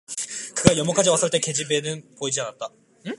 그가 연못까지 왔을 때는 계집애는 보이지 않았다.